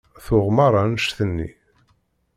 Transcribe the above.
Ttuɣ merra annect-nni.